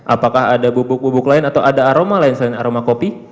apakah ada bubuk bubuk lain atau ada aroma lain selain aroma kopi